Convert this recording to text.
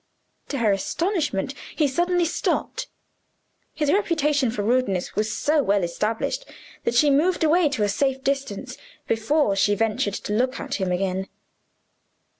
To her astonishment he suddenly stopped. His reputation for rudeness was so well established that she moved away to a safe distance, before she ventured to look at him again.